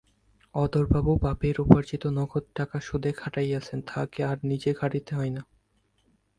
অধরবাবু বাপের উপার্জিত নগদ টাকা সুদে খাটাইতেছেন, তাঁহাকে আর নিজে খাটিতে হয় না।